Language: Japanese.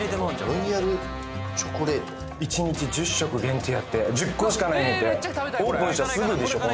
ロイヤルチョコレート１日１０食限定やって１０個しかないねんて